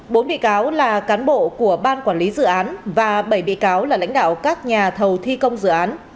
bốn bị cáo là cán bộ của ban quản lý dự án và bảy bị cáo là lãnh đạo các nhà thầu thi công dự án